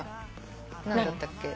何だったっけ。